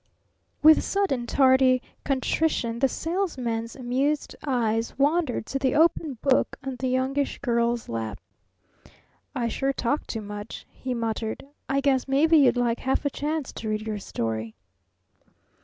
With sudden tardy contrition the Salesman's amused eyes wandered to the open book on the Youngish Girl's lap. "I sure talk too much," he muttered. "I guess maybe you'd like half a chance to read your story."